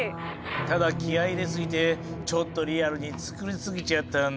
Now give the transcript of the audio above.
ただ気合い入れ過ぎてちょっとリアルに作り過ぎちゃったんだ。